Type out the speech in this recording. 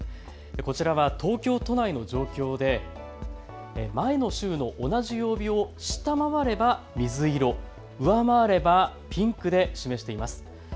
こちらは東京都内の状況で前の週の同じ曜日を下回れば水色、上回ればピンクで示しています。